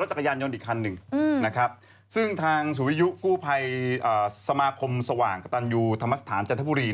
รถจักรยานยนต์อีกคันหนึ่งซึ่งทางสุวิยุกู้ภัยสมาคมสว่างกระตันยูธรรมสถานจันทบุรี